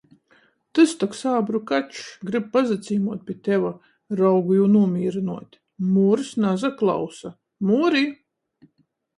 Tys tok sābru kačs. Gryb pasacīmuot pi teve! raugu jū nūmīrynuot. Murs nasaklausa. Muri!